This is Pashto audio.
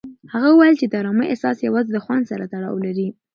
هغه وویل چې د ارامۍ احساس یوازې د خوند سره تړاو لري.